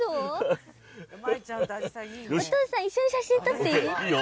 お父さん、一緒に写真撮っていいいいよ。